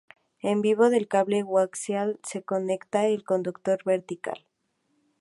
El vivo del cable coaxial se conecta al conductor vertical.